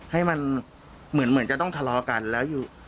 ให้มันเหมือนจะต้องทะเลาะกันแล้วอยู่